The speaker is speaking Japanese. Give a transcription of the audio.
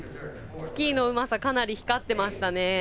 スキーのうまさかなり光ってましたね。